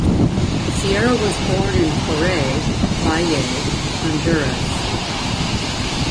Sierra was born in Coray, Valle, Honduras.